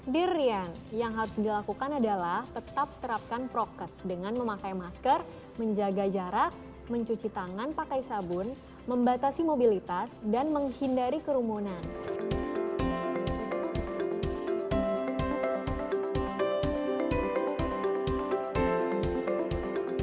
dirian yang harus dilakukan adalah tetap terapkan prokes dengan memakai masker menjaga jarak mencuci tangan pakai sabun membatasi mobilitas dan menghindari kerumunan